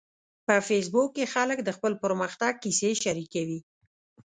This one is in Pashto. په فېسبوک کې خلک د خپل پرمختګ کیسې شریکوي